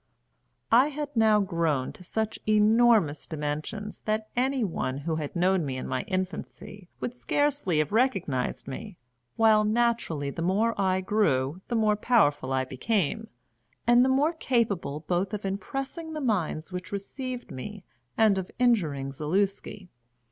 I had now grown to such enormous dimensions that any one who had known me in my infancy would scarcely have recognised me, while naturally the more I grew the more powerful I became, and the more capable both of impressing the minds which received me and of injuring Zaluski.